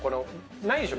ないでしょ？